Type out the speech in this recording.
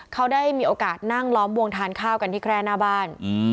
เขาได้มีโอกาสนั่งล้อมวงทานข้าวกันที่แคร่หน้าบ้าน